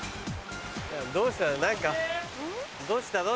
どうしたの？